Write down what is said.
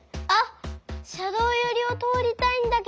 しゃどうよりをとおりたいんだけど。